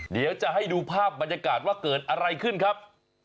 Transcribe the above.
เดี๋ยวจะให้ดูภาพบรรยากาศว่าเกิดอะไรขึ้นครับ